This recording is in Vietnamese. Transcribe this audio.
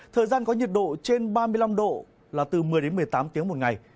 thời gian có nhiệt độ trên ba mươi năm độ là từ một mươi đến một mươi tám tiếng một ngày